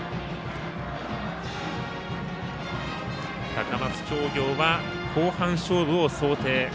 高松商業は後半勝負を想定。